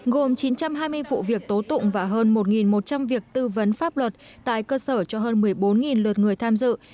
gồm chín trăm hai mươi vụ việc tố tụng và hơn một một trăm linh việc tư vấn pháp luật tại cơ sở cho hơn một mươi bốn lượt người tham dự